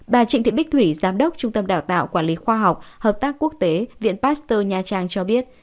bà trịnh thị bích thủy giám đốc trung tâm đào tạo quản lý khoa học hợp tác quốc tế viện pasteur nha trang cho biết